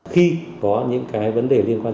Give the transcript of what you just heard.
khi có những cái vấn đề liên quan